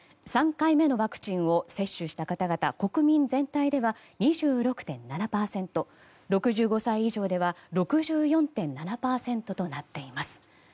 ３回目のワクチンを接種した方々国民全体では２６．７％６５歳以上では６４．７％となっています。